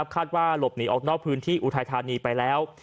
คาดว่าหลบหนีออกนอกพื้นที่อุทัยธานีไปแล้ว